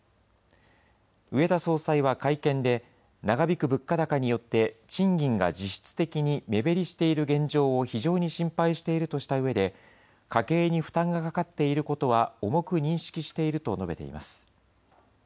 植田総裁は会見で、長引く物価高によって、賃金が実質的に目減りしている現状を非常に心配しているとしたうえで、家計に負担がかかっていることは重く認識していると述べています。